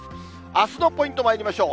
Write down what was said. あすのポイント、まいりましょう。